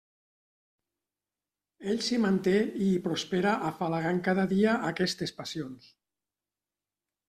Ell s'hi manté i hi prospera afalagant cada dia aquestes passions.